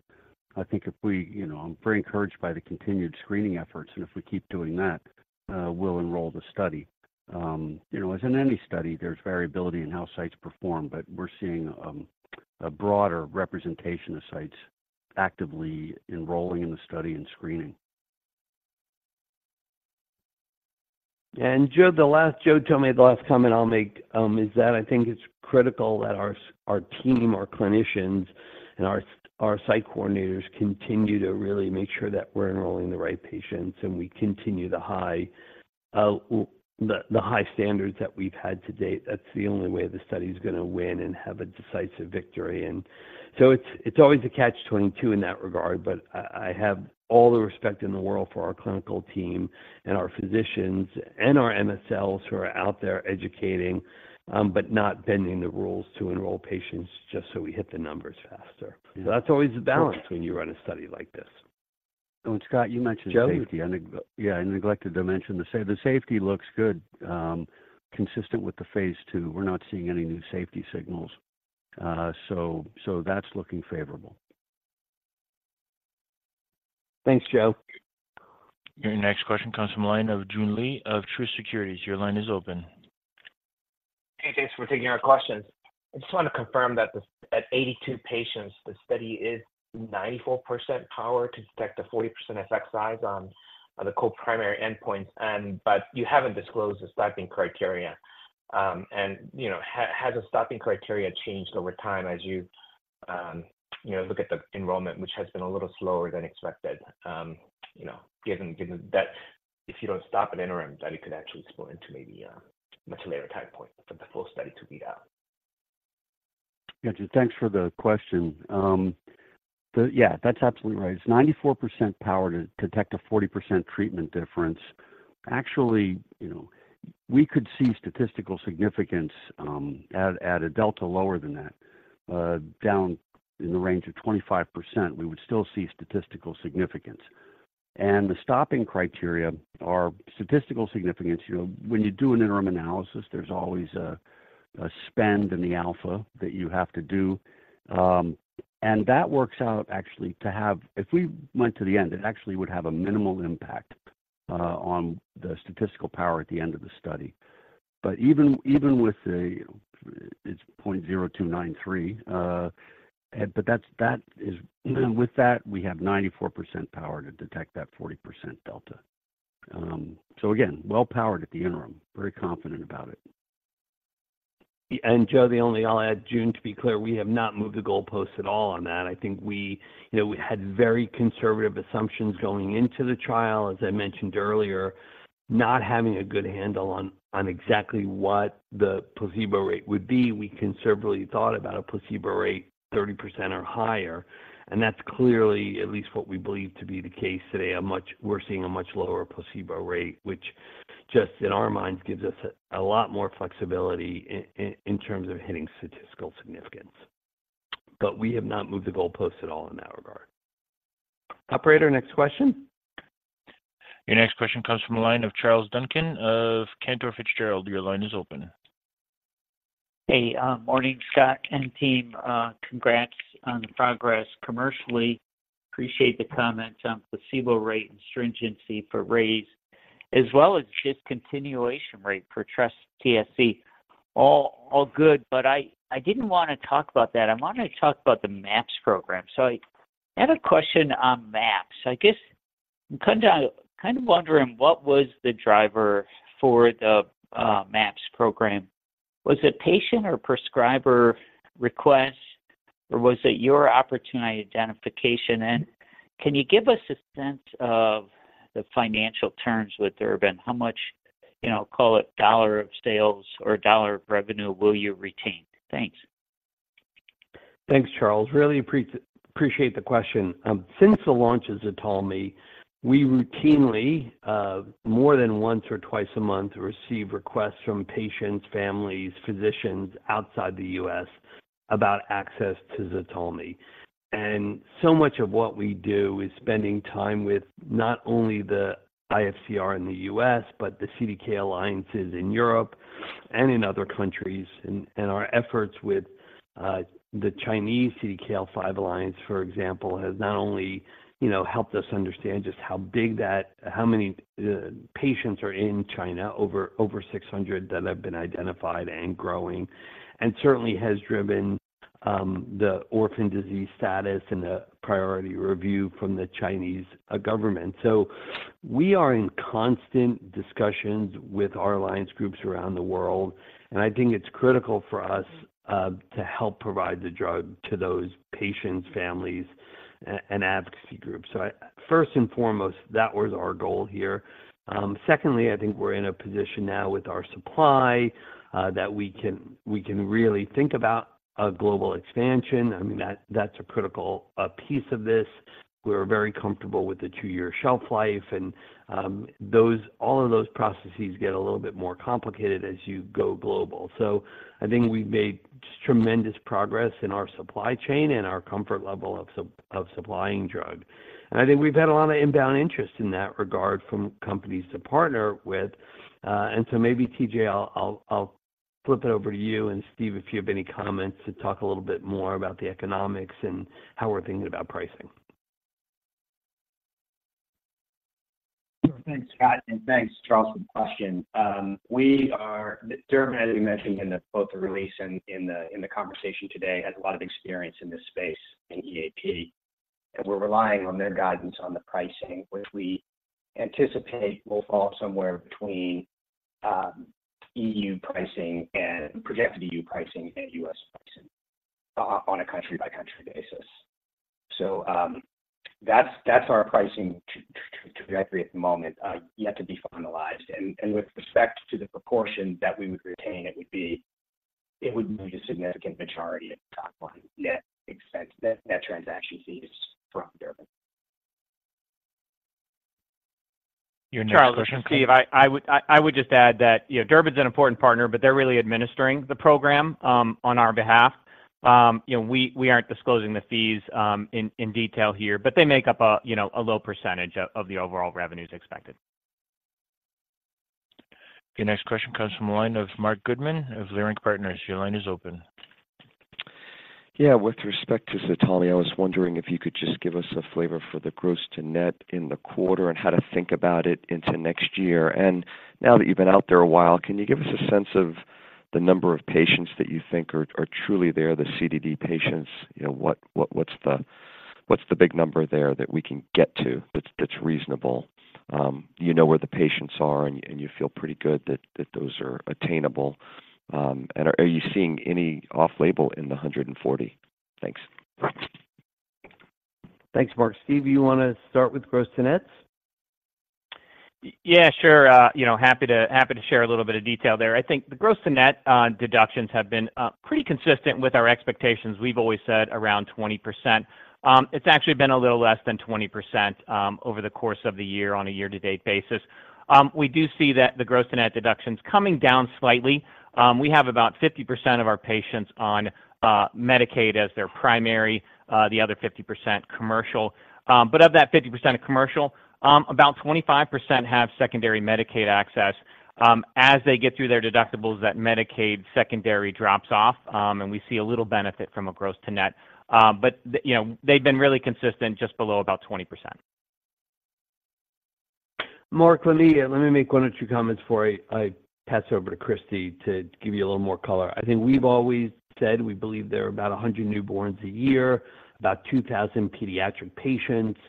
I think if we... You know, I'm very encouraged by the continued screening efforts, and if we keep doing that, we'll enroll the study. You know, as in any study, there's variability in how sites perform, but we're seeing, a broader representation of sites actively enrolling in the study and screening. Joe, the last—Joseph Thome, the last comment I'll make is that I think it's critical that our team, our clinicians, and our site coordinators continue to really make sure that we're enrolling the right patients, and we continue the high standards that we've had to-date. That's the only way the study is gonna win and have a decisive victory. So it's always a catch-22 in that regard, but I have all the respect in the world for our clinical team and our physicians and our MSLs who are out there educating, but not bending the rules to enroll patients just so we hit the numbers faster. Yeah. That's always a balance when you run a study like this. Scott, you mentioned safety. Joe? Yeah, I neglected to mention the safety looks good, consistent with the Phase II. We're not seeing any new safety signals, so that's looking favorable. Thanks, Joe. Your next question comes from the line of Joon Lee of Truist Securities. Your line is open. Hey, thanks for taking our questions. I just want to confirm that the, at 82 patients, the study is 94% power to detect a 40% effect size on the co-primary endpoints, and but you haven't disclosed the stopping criteria. You know, has the stopping criteria changed over time as you, you know, look at the enrollment, which has been a little slower than expected, you know, given, given that if you don't stop at interim, that it could actually spill into maybe a much later time point for the full study to be out? Yeah, Joon, thanks for the question. Yeah, that's absolutely right. It's 94% power to detect a 40% treatment difference. Actually, you know, we could see statistical significance at a delta lower than that. Down in the range of 25%, we would still see statistical significance and the stopping criteria are statistical significance. You know, when you do an interim analysis, there's always a spend in the alpha that you have to do. That works out actually to have, if we went to the end, it actually would have a minimal impact on the statistical power at the end of the study. But even with it's 0.0293, and but that's, that is with that, we have 94% power to detect that 40% delta. So again, well-powered at the interim. Very confident about it. Joon, the only thing I'll add, just to be clear, we have not moved the goalpost at all on that. I think we, you know, we had very conservative assumptions going into the trial, as I mentioned earlier, not having a good handle on exactly what the placebo rate would be. We conservatively thought about a placebo rate, 30% or higher, and that's clearly at least what we believe to be the case today. We're seeing a much lower placebo rate, which just in our minds gives us a lot more flexibility in terms of hitting statistical significance. But we have not moved the goalpost at all in that regard. Operator, next question. Your next question comes from the line of Charles Duncan of Cantor Fitzgerald. Your line is open. Hey, morning, Scott and team. Congrats on the progress commercially. Appreciate the comments on placebo rate and stringency for RAISE, as well as discontinuation rate for TrustTSC. All, all good, but I didn't wanna talk about that. I wanted to talk about the MAP program. So I had a question on MAPs. I guess I'm kinda, kind of wondering, what was the driver for the MAPs program? Was it patient or prescriber request, or was it your opportunity identification? Can you give us a sense of the financial terms with Durbin? How much, you know, call it dollar of sales or dollar of revenue will you retain? Thanks. Thanks, Charles. Really appreciate the question. Since the launch of ZTALMY, we routinely, more than once or twice a month, receive requests from patients, families, physicians outside the U.S. about access to ZTALMY. And so much of what we do is spending time with not only the IFCR in the U.S., but the CDKL5 alliances in Europe and in other countries. Our efforts with the Chinese CDKL5 alliance, for example, has not only, you know, helped us understand just how big that... how many patients are in China, over 600 that have been identified and growing, and certainly has driven the orphan disease status and the priority review from the Chinese government. So we are in constant discussions with our alliance groups around the world, and I think it's critical for us to help provide the drug to those patients, families, and advocacy groups. So first and foremost, that was our goal here. Secondly, I think we're in a position now with our supply that we can really think about a global expansion. I mean, that's a critical piece of this. We're very comfortable with the two-year shelf life, and all of those processes get a little bit more complicated as you go global. So I think we've made tremendous progress in our supply chain and our comfort level of supplying drug and I think we've had a lot of inbound interest in that regard from companies to partner with. So maybe, TJ, I'll flip it over to you and Steve, if you have any comments, to talk a little bit more about the economics and how we're thinking about pricing. Thanks, Scott, and thanks, Charles, for the question. We are, Durbin, as we mentioned in the-- both the release and in the, in the conversation today, has a lot of experience in this space in EAP, and we're relying on their guidance on the pricing, which we anticipate will fall somewhere between, EU pricing and projected EU pricing and U.S. pricing on a country-by-country basis. So, that's our pricing trajectory at the moment, yet to be finalized and with respect to the proportion that we would retain, it would be a significant majority of the top line net, except net transaction fees from Durbin. Your next question- Charles and Steve, I would just add that, you know, Durbin's an important partner, but they're really administering the program on our behalf. You know, we aren't disclosing the fees in detail here, but they make up, you know, a low percentage of the overall revenues expected. Your next question comes from the line of Marc Goodman of Leerink Partners. Your line is open. Yeah, with respect to ZTALMY, I was wondering if you could just give us a flavor for the gross to net in the quarter and how to think about it into next year, and now that you've been out there a while, can you give us a sense of the number of patients that you think are truly there, the CDD patients? You know, what's the big number there that we can get to, that's reasonable? You know where the patients are, and you feel pretty good that those are attainable. Are you seeing any off-label in the 140? Thanks. Thanks, Mark. Steve, you want to start with gross to nets? Yeah, sure, you know, happy to, happy to share a little bit of detail there. I think the gross to net deductions have been pretty consistent with our expectations. We've always said around 20%. It's actually been a little less than 20% over the course of the year on a year-to-date basis. We do see that the gross to net deductions coming down slightly. We have about 50% of our patients on Medicaid as their primary, the other 50% commercial. But of that 50% of commercial, about 25% have secondary Medicaid access. As they get through their deductibles, that Medicaid secondary drops off, and we see a little benefit from a gross to net. But, they, you know, they've been really consistent, just below about 20%. Mark, let me, let me make one or two comments before I pass over to Christy to give you a little more color. I think we've always said we believe there are about 100 newborns a year, about 2,000 pediatric patients.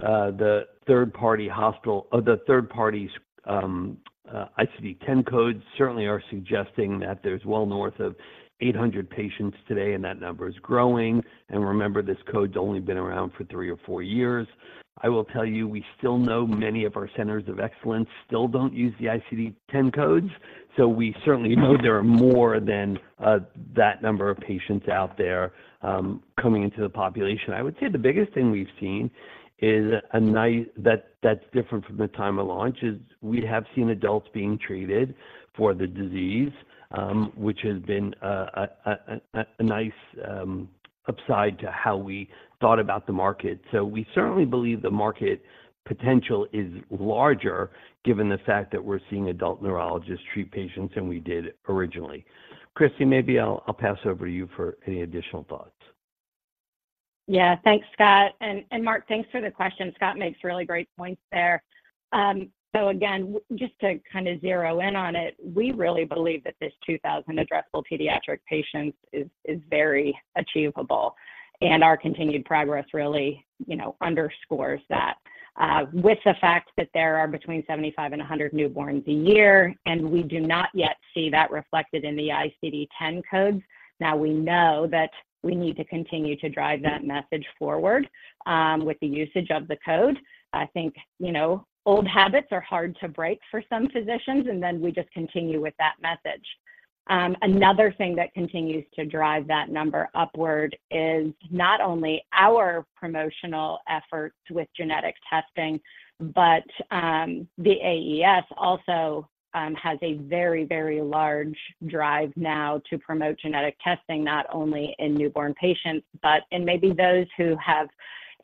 The third-party hospital or the third-party ICD-10 codes certainly are suggesting that there's well north of 800 patients today, and that number is growing. Remember, this code's only been around for three or four years. I will tell you, we still know many of our centers of excellence still don't use the ICD-10 codes, so we certainly know there are more than that number of patients out there coming into the population. I would say the biggest thing we've seen is a nice—that that's different from the time of launch—is we have seen adults being treated for the disease, which has been a nice upside to how we thought about the market. So we certainly believe the market potential is larger, given the fact that we're seeing adult neurologists treat patients than we did originally. Christy, maybe I'll pass over to you for any additional thoughts. Yeah. Thanks, Scott, and Mark, thanks for the question. Scott makes really great points there. So again, just to kind of zero in on it, we really believe that this 2,000 addressable pediatric patients is very achievable, and our continued progress really, you know, underscores that. With the fact that there are between 75 and 100 newborns a year, and we do not yet see that reflected in the ICD-10 codes. Now, we know that we need to continue to drive that message forward with the usage of the code. I think, you know, old habits are hard to break for some physicians, and then we just continue with that message. Another thing that continues to drive that number upward is not only our promotional efforts with genetic testing, but the AES also has a very, very large drive now to promote genetic testing, not only in newborn patients, but in maybe those who have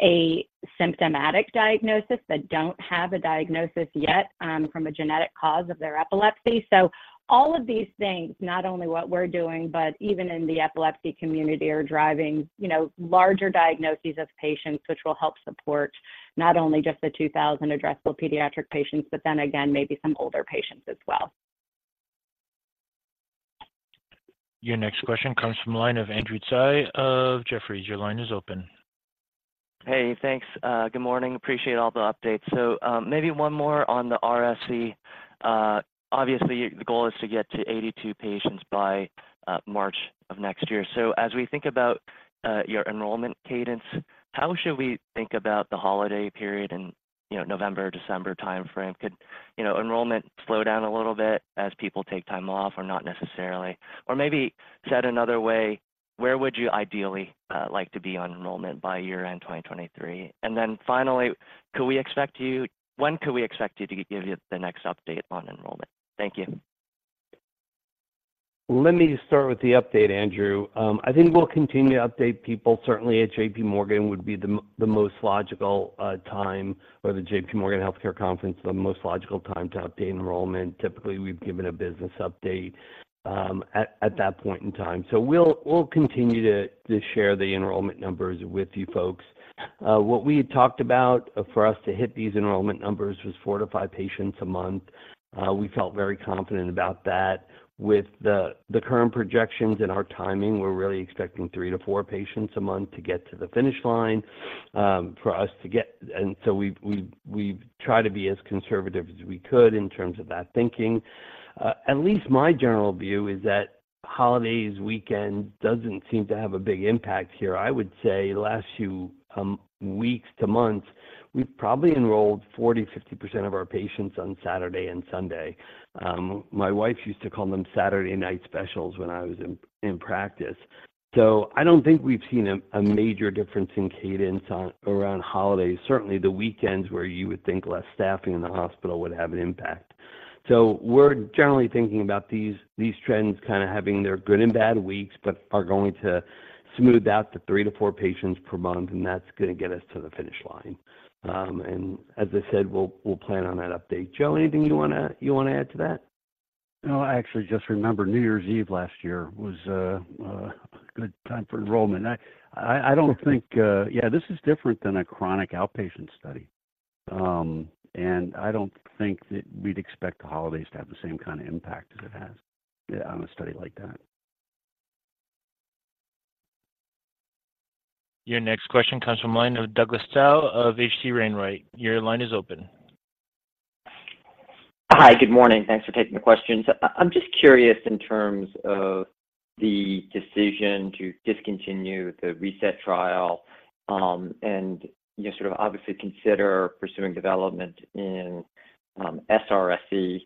a symptomatic diagnosis, but don't have a diagnosis yet, from a genetic cause of their epilepsy. So all of these things, not only what we're doing, but even in the epilepsy community, are driving, you know, larger diagnoses of patients, which will help support not only just the 2,000 addressable pediatric patients, but then again, maybe some older patients as well. Your next question comes from the line of Andrew Tsai of Jefferies. Your line is open. Hey, thanks. Good morning. Appreciate all the updates. So, maybe one more on the RFC. Obviously, the goal is to get to 82 patients by March of next year. So as we think about your enrollment cadence, how should we think about the holiday period and, you know, November, December timeframe? Could, you know, enrollment slow down a little bit as people take time off, or not necessarily? Or maybe said another way, where would you ideally like to be on enrollment by year-end 2023? Then finally, could we expect you... When could we expect you to give you the next update on enrollment? Thank you. Let me start with the update, Andrew. I think we'll continue to update people. Certainly at J.P. Morgan would be the most logical time, or the J.P. Morgan Healthcare Conference, the most logical time to update enrollment. Typically, we've given a business update at that point in time. So we'll continue to share the enrollment numbers with you folks. What we had talked about for us to hit these enrollment numbers was 4-5 patients a month. We felt very confident about that. With the current projections and our timing, we're really expecting three to four patients a month to get to the finish line, for us to get... And so we've tried to be as conservative as we could in terms of that thinking. At least my general view is that holidays, weekend doesn't seem to have a big impact here. I would say the last few weeks to months, we've probably enrolled 40%-50% of our patients on Saturday and Sunday. My wife used to call them Saturday night specials when I was in practice. So I don't think we've seen a major difference in cadence on around holidays. Certainly, the weekends where you would think less staffing in the hospital would have an impact. So we're generally thinking about these trends kind of having their good and bad weeks, but are going to smooth out to 3-4 patients per month, and that's going to get us to the finish line. As I said, we'll plan on that update. Joe, anything you want to add to that? No, I actually just remembered New Year's Eve last year was a good time for enrollment. I don't think... Yeah, this is different than a chronic outpatient study and I don't think that we'd expect the holidays to have the same kind of impact as it has on a study like that. Your next question comes from the line of Douglas Tsao of H.C. Wainwright. Your line is open. Hi, good morning. Thanks for taking the questions. I'm just curious in terms of the decision to discontinue the RSE trial, and, you know, sort of obviously consider pursuing development in, SRSE.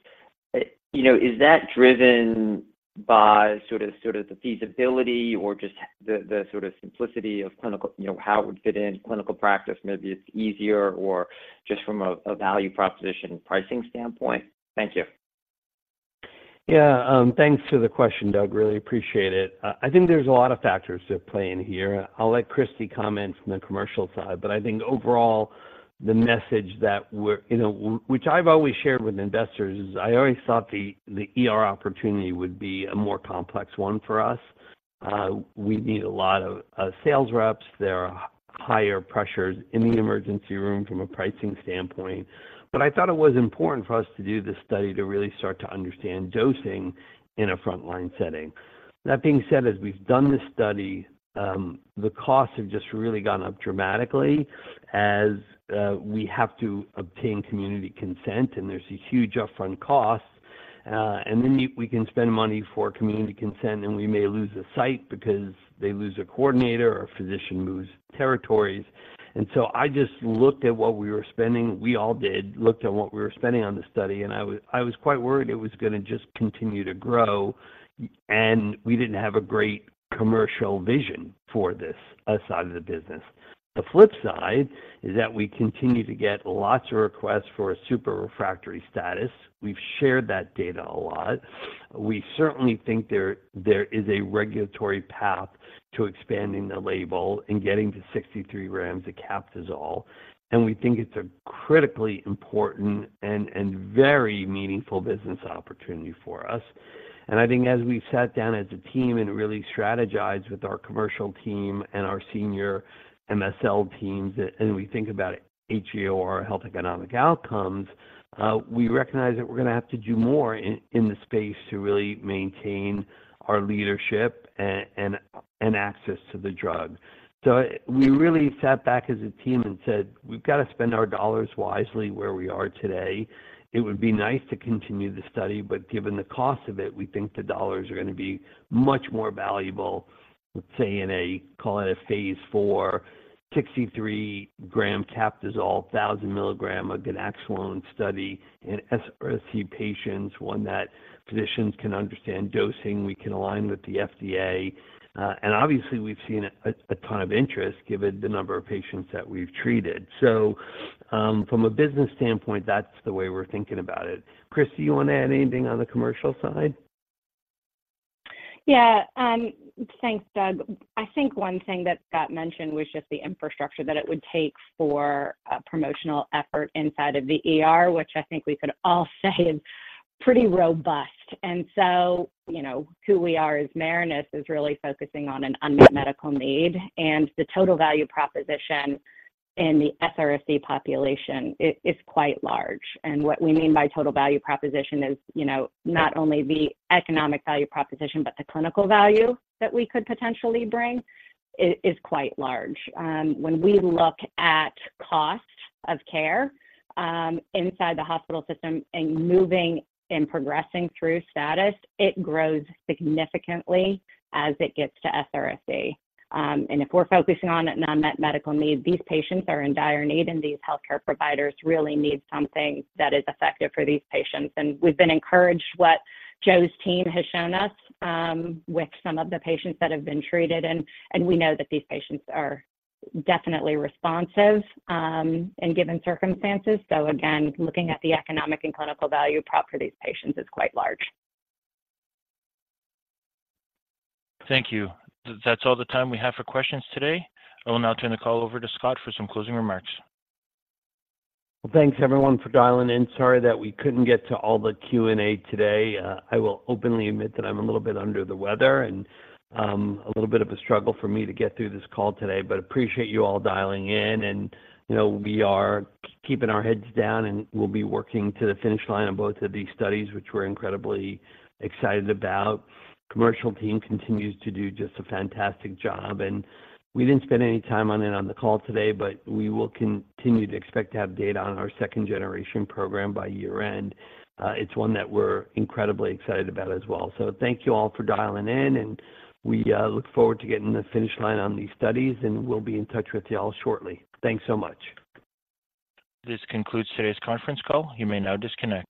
You know, is that driven by sort of, sort of the feasibility or just the, the sort of simplicity of clinical, you know, how it would fit in clinical practice? Maybe it's easier or just from a, a value proposition pricing standpoint. Thank you. Yeah, thanks for the question, Doug. Really appreciate it. I think there's a lot of factors at play in here. I'll let Christy comment from the commercial side, but I think overall, the message that we're, you know, which I've always shared with investors, is I always thought the ER opportunity would be a more complex one for us. We'd need a lot of sales reps. There are higher pressures in the emergency room from a pricing standpoint, but I thought it was important for us to do this study to really start to understand dosing in a frontline setting. That being said, as we've done this study, the costs have just really gone up dramatically as we have to obtain community consent, and there's a huge upfront cost, and then we can spend money for community consent, and we may lose a site because they lose a coordinator or a physician moves territories. So I just looked at what we were spending. We all did, looked at what we were spending on the study, and I was quite worried it was gonna just continue to grow, and we didn't have a great commercial vision for this side of the business. The flip side is that we continue to get lots of requests for a super refractory status. We've shared that data a lot. We certainly think there, there is a regulatory path to expanding the label and getting to 63 g per kg, and we think it's a critically important and very meaningful business opportunity for us. I think as we sat down as a team and really strategized with our commercial team and our senior MSL teams, and we think about HEOR, Health Economic Outcomes, we recognize that we're gonna have to do more in, in the space to really maintain our leadership and, and access to the drug. So we really sat back as a team and said, "We've got to spend our dollars wisely where we are today." It would be nice to continue the study, but given the cost of it, we think the dollars are gonna be much more valuable, let's say, in a call it a Phase IV, 63-g capsule, 1,000-mg ganaxolone study in TSC patients, one that physicians can understand dosing, we can align with the FDA. Obviously, we've seen a ton of interest given the number of patients that we've treated. So, from a business standpoint, that's the way we're thinking about it. Christy, you want to add anything on the commercial side? Yeah, thanks, Doug. I think one thing that got mentioned was just the infrastructure that it would take for a promotional effort inside of the ER, which I think we could all say is pretty robust and so, you know, who we are as Marinus is really focusing on an unmet medical need, and the total value proposition in the SRSE population is quite large. What we mean by total value proposition is, you know, not only the economic value proposition, but the clinical value that we could potentially bring is quite large. When we look at cost of care, inside the hospital system and moving and progressing through status, it grows significantly as it gets to SRSE. If we're focusing on unmet medical needs, these patients are in dire need, and these healthcare providers really need something that is effective for these patients and we've been encouraged what Joe's team has shown us, with some of the patients that have been treated, and we know that these patients are definitely responsive, in given circumstances. So again, looking at the economic and clinical value prop for these patients is quite large. Thank you. That's all the time we have for questions today. I will now turn the call over to Scott for some closing remarks. Well, thanks, everyone, for dialing in. Sorry that we couldn't get to all the Q&A today. I will openly admit that I'm a little bit under the weather and, a little bit of a struggle for me to get through this call today. But appreciate you all dialing in, and, you know, we are keeping our heads down, and we'll be working to the finish line on both of these studies, which we're incredibly excited about. Commercial team continues to do just a fantastic job, and we didn't spend any time on it on the call today, but we will continue to expect to have data on our second-generation program by year-end. It's one that we're incredibly excited about as well. So thank you all for dialing in, and we look forward to getting the finish line on these studies, and we'll be in touch with you all shortly. Thanks so much. This concludes today's conference call. You may now disconnect.